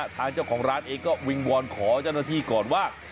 ทางเจ้าของร้านเองก็วิงวอนขอเจ้าหน้าที่ก่อนว่า